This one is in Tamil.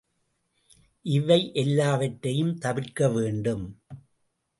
இவையெல்லாவற்றையும் தவிர்க்க வேண்டும்.